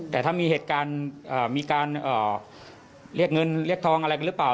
แต่ถ้ามีเหตุการณ์มีการเรียกเงินเรียกทองอะไรกันหรือเปล่า